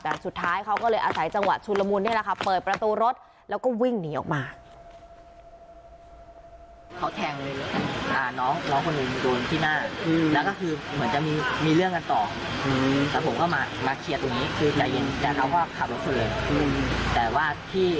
แต่สุดท้ายเขาก็เลยอาศัยจังหวะชุนละมุนนี่แหละค่ะเปิดประตูรถแล้วก็วิ่งหนีออกมา